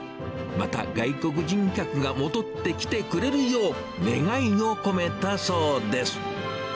また外国人客が戻ってきてくれるよう、願いを込めたそうです。